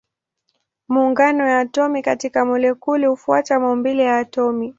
Maungano ya atomi katika molekuli hufuata maumbile ya atomi.